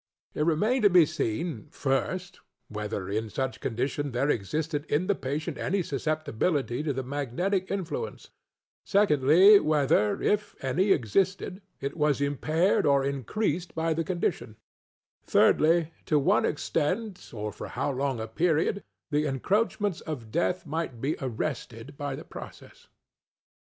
It remained to be seen, first, whether, in such condition, there existed in the patient any susceptibility to the magnetic influence; secondly, whether, if any existed, it was impaired or increased by the condition; thirdly, to what extent, or for how long a period, the encroachments of Death might be arrested by the process.